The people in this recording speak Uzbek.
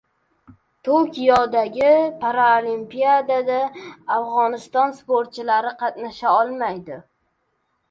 Tokiodagi Paralimpiyada Afg‘oniston sportchilari qatnasha olmaydi